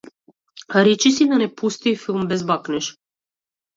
Речиси и да не постои филм без бакнеж.